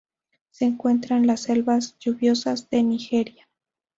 Se encuentra en las selvas lluviosas de Nigeria.